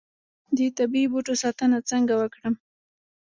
د طبیعي بوټو ساتنه څنګه وکړم؟